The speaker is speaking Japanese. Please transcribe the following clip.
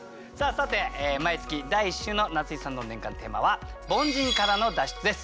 さて毎月第１週の夏井さんの年間テーマは「凡人からの脱出」です。